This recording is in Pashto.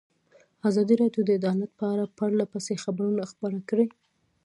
ازادي راډیو د عدالت په اړه پرله پسې خبرونه خپاره کړي.